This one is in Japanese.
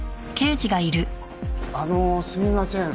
あのすみません。